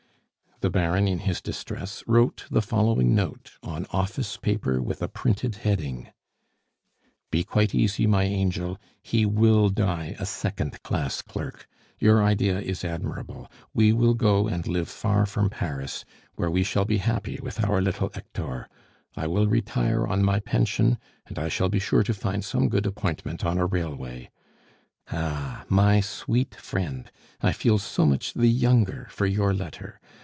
The Baron in his distress wrote the following note on office paper with a printed heading: "Be quite easy, my angel, he will die a second class clerk! Your idea is admirable; we will go and live far from Paris, where we shall be happy with our little Hector; I will retire on my pension, and I shall be sure to find some good appointment on a railway. "Ah, my sweet friend, I feel so much the younger for your letter!